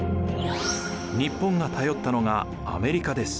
日本が頼ったのがアメリカです。